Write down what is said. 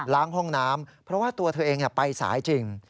ห้องน้ำเพราะว่าตัวเธอเองไปสายจริง